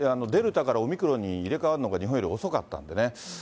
デルタからオミクロンに入れ代わるのが日本より遅かったんでね。